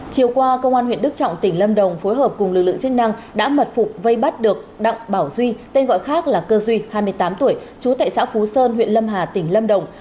chiều qua công an huyện đức trọng tỉnh lâm đồng phối hợp cùng lực lượng chức năng đã mật phục vây bắt được đặng bảo duy tên gọi khác là cơ duy hai mươi tám tuổi trú tại xã phú sơn huyện lâm hà tỉnh lâm đồng